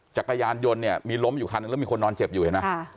จักรยานยนต์เนี่ยมีล้มอยู่คันหนึ่งแล้วมีคนนอนเจ็บอยู่เห็นไหม